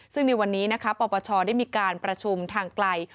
ซึ่งในวันนี้นะคะปปชได้มีการประชุมทางไกล